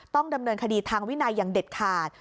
ต้องดำเนินคดีทางวินัยอย่างเด็ดขาด